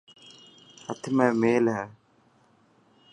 هٿ ۾ ميل هي.